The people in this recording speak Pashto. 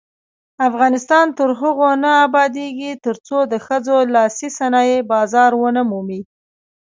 افغانستان تر هغو نه ابادیږي، ترڅو د ښځو لاسي صنایع بازار ونه مومي.